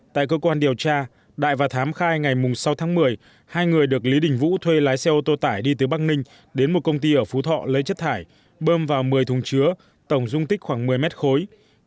tại cơ quan điều tra đại và thám khai ngày sáu tháng một mươi hai người được lý đình vũ thuê lái xe ô tô tải đi từ băng ninh đến một công ty ở phú thọ lấy chất thải bơm vào một mươi thùng chứa tổng dung tích khoảng một mươi mét khối